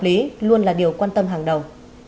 lý luôn là điều quan tâm hàng đầu